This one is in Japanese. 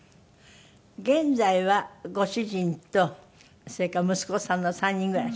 現在はご主人とそれから息子さんの３人暮らし。